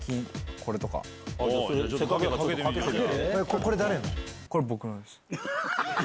これ、僕のです。